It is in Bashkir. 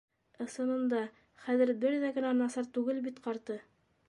Ысынында, хәҙер бер ҙә генә насар түгел бит ҡарты.